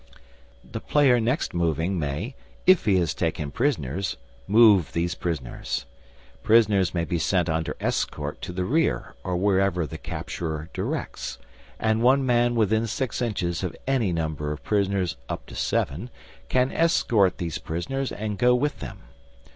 The player next moving may, if he has taken prisoners, move these prisoners. Prisoners may be sent under escort to the rear or wherever the capturer directs, and one man within six inches of any number of prisoners up to seven can escort these prisoners and go with them.